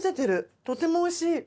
とてもおいしい。